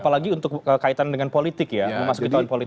apalagi untuk kaitan dengan politik ya memasuki tahun politik